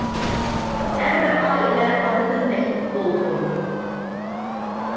ھەر بىر ئائىلە ئانا تىل مەكتىپى بولسۇن!